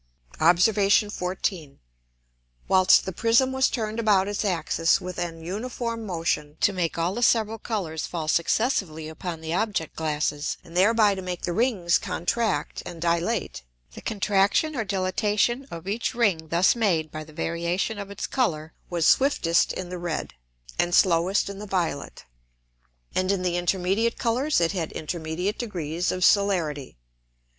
Obs. 14. Whilst the Prism was turn'd about its Axis with an uniform Motion, to make all the several Colours fall successively upon the Object glasses, and thereby to make the Rings contract and dilate: The Contraction or Dilatation of each Ring thus made by the variation of its Colour was swiftest in the red, and slowest in the violet, and in the intermediate Colours it had intermediate degrees of Celerity.